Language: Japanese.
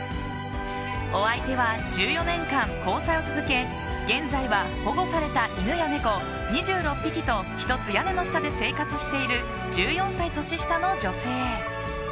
お相手は１４年間交際を続け現在は保護された犬や猫２６匹と１つ屋根の下で生活している１４歳年下の女性。